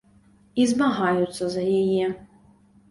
І змагаюцца за яе.